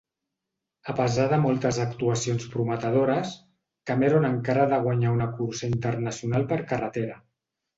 A pesar de moltes actuacions prometedores, Cameron encara ha de guanyar una cursa internacional per carretera.